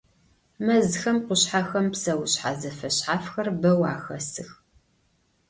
Мэзхэм, къушъхьэхэм псэушъхьэ зэфэшъхьафхэр бэу ахэсых.